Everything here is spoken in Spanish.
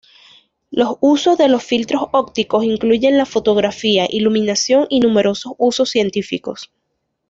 Los usos de los filtros ópticos incluyen la fotografía, iluminación y numerosos usos científicos.